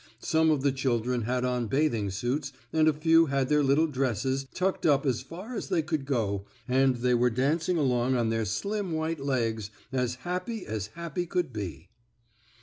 Some of the children had on bathing suits and a few had their little dresses tucked up as far as they could go, and they were dancing along on their slim white legs, as happy as happy could be.